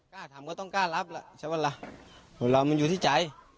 กล้าทำก็ต้องกล้ารับล่ะใช่ปะล่ะคนเรามันอยู่ที่ใจ